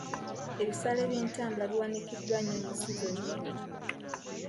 Ebisale by'entambula biwanikiddwa nnyo mu sizoni eno.